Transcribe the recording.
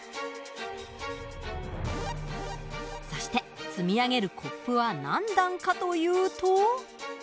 そして積み上げるコップは何段かというと。